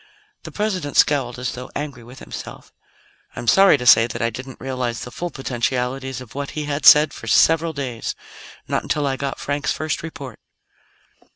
The President scowled, as though angry with himself. "I'm sorry to say that I didn't realize the full potentialities of what he had said for several days not until I got Frank's first report."